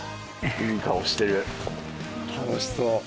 ・いい顔してる・楽しそう！